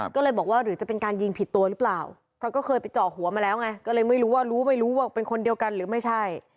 ก็เลยบอกว่าหรือจะเป็นการยิงผิดตัวหรือเปล่าเพราะก็เคยไปเจาะหัวมาแล้วไงก็เลยไม่รู้ว่ารู้ไม่รู้ว่าเป็นคนเดียวกันหรือไม่ใช่